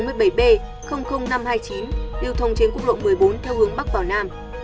điều thông trên quốc lộ một mươi bốn theo hướng bắc vào nam